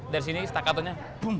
dari sini stakatonya